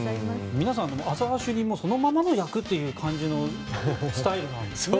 皆さん、浅輪主任もそのままという感じのスタイルなんですね。